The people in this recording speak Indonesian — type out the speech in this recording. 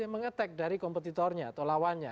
meng attack dari kompetitornya atau lawannya